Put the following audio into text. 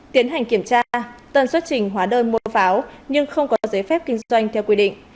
tiến hành kiểm tra tân xuất trình hóa đơn mua pháo nhưng không có giấy phép kinh doanh theo quy định